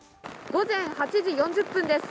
午前８時４０分です。